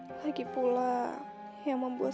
lagi pula yang membuat saya terlalu sedih adalah bang ramadhi